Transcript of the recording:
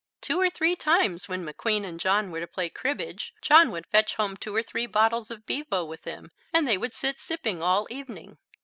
Two or three times when McQueen and John were to play cribbage, John would fetch home two or three bottles of bevo with him and they would sit sipping all evening.